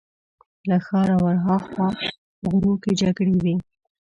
له ښاره ورهاخوا غرو کې جګړې وې.